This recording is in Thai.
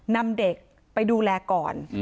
นำเด็กไปดูแลก่อน